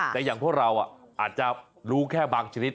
แต่อย่างพวกเราอาจจะรู้แค่บางชนิด